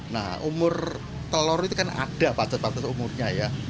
nah umur telur itu kan ada pacet patut umurnya ya